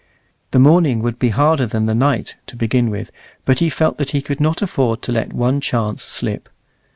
The morning would be harder than the night to begin with, but he felt that he could not afford to let one chance slip.